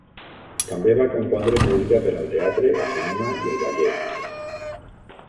També va compondre música per al teatre, el cinema i el ballet.